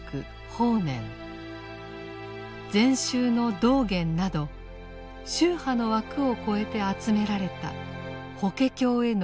法然禅宗の道元など宗派の枠を超えて集められた法華経への賛辞です。